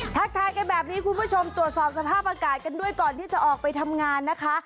ทักทายกันแบบนี้คุณผู้ชมตรวจสอบสภาพอากาศกันด้วยก่อนที่จะออกไปทำงานนะคะ